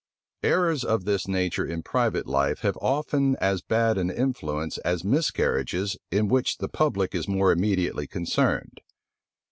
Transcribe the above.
Errors of this nature in private life have often as bad an influence as miscarriages in which the public is more immediately concerned.